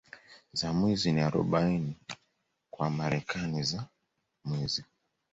za Mwizi ni Arobaini kwa Wamarekani za mwizi